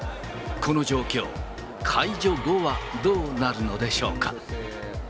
この状況、解除後はどうなるのでしょうか。